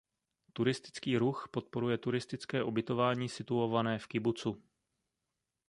Turistický ruch podporuje turistické ubytování situované v kibucu.